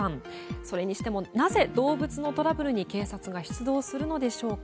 それにしても、なぜ動物のトラブルに警察が出動するのでしょうか。